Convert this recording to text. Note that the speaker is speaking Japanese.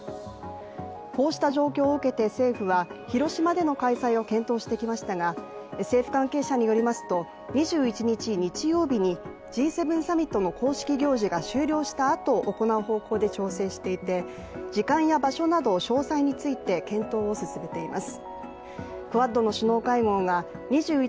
こうした状況を受けて、政府は広島での開催を検討してきましたが政府関係者によりますと、２１日日曜日にＧ７サミットの公式行事が終了したあと行う方向で調整していて時間や場所など詳細について検討を進めています。